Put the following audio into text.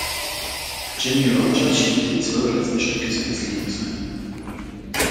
Jimmie Rodgers spielte die zwölf letzten Stücke seines Lebens ein.